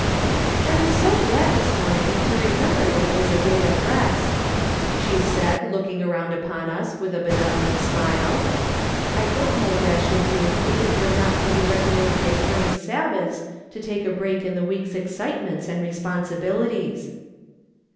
" I was so glad this morning to remcmher that it was a day of rest/' she said, looking around upon us with a benevolent smile. " I don't know what I should do if it were not for the regularly occurring Sabbaths to make a break in the week's excitements and responsibilities."